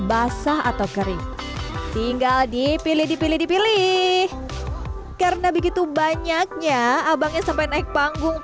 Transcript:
basah atau kering tinggal dipilih dipilih dipilih karena begitu banyaknya abangnya sampai naik panggung